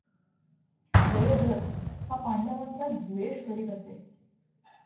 जयद्रथ हा पांडवांचा द्वेष करीत असे.